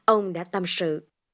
ông đã tâm sự